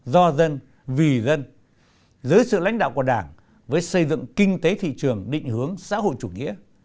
do dân vì dân dưới sự lãnh đạo của đảng với xây dựng kinh tế thị trường định hướng xã hội chủ nghĩa